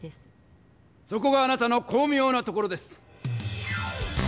そこがあなたのこうみょうなところです！